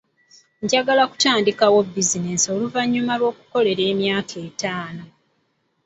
Njagala okutandikawo bizinensi oluvannyuma lw'okukolera emyaka etaano.